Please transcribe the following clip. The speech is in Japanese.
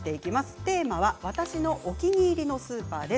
テーマは私のお気に入りのスーパーです。